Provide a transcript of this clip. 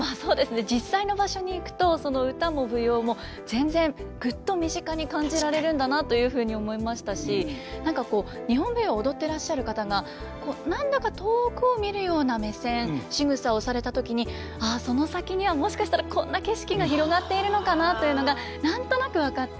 実際の場所に行くとその唄も舞踊も全然グッと身近に感じられるんだなというふうに思いましたし何かこう日本舞踊を踊ってらっしゃる方が何だか遠くを見るような目線しぐさをされた時にああその先にはもしかしたらこんな景色が広がっているのかなというのが何となく分かって。